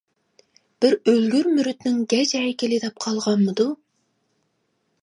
بىر ئۆلگۈر مۇرىتىنىڭ گەج ھەيكىلى دەپ قالغانمىدۇ.